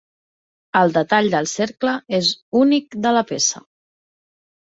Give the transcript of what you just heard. El detall del cercle és únic de la peça.